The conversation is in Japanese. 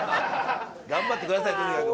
頑張ってください、とにかく。